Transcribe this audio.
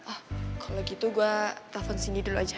oh kalo gitu gua telepon cindy dulu aja